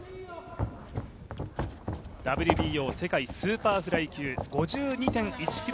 ＷＢＯ世界スーパーフライ級５２．１ｋｇ